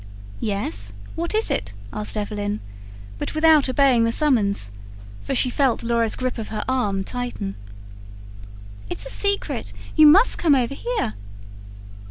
"Yes, what is it?" asked Evelyn, but without obeying the summons; for she felt Laura's grip of her arm tighten. "It's a secret. You must come over here."